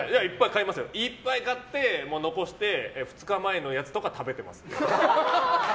いっぱい買って残して２日前のやつとか食べてます。